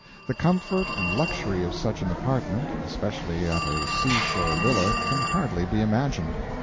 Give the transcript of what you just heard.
"The comfort and luxury of such an apartment, especially at a seashore villa, can hardly be imagined.